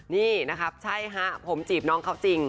นี่นะครับใช่ฮะผมจีบน้องเขาจริง